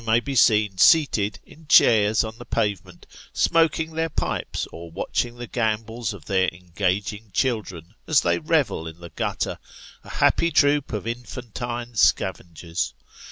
55 may be seen seated, in chairs on the pavement, smoking their pipes, or watching the gambols of their engaging children as they revel in the gutter, a happy troop of infantine scavengers.